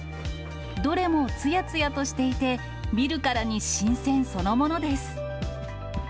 どれもつやつやとしていて、見るからに新鮮そのものです。